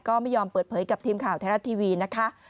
ก็ไม่ยอมเปิดเผยกับทีมข่าวไทยรัฐทีวีนะคะ